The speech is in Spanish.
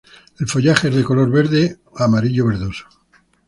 El follaje es de color verde a amarillo-verdoso.